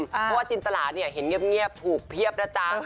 เพราะว่าจินตราเนี่ยเห็นเงียบถูกเพียบนะจ๊ะ